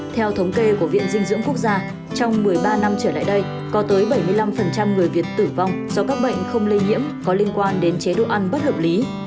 theo thống kê của viện dinh dưỡng quốc gia trong một mươi ba năm trở lại đây có tới bảy mươi năm người việt tử vong do các bệnh không lây nhiễm có liên quan đến chế độ ăn bất hợp lý